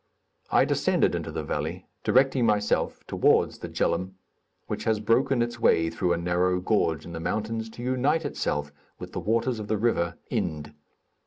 I descended into the valley, directing myself toward the Djeloum, which has broken its way through a narrow gorge in the mountains, to unite itself with the waters of the river Ind.